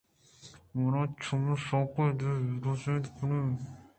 من چمشانکے دے آن ءُ راست کن آن ئِے